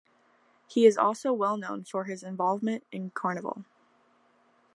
He is also well known for his involvement in Carnival.